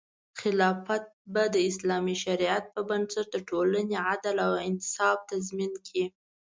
خلافت به د اسلامي شریعت په بنسټ د ټولنې عدل او انصاف تضمین کړي.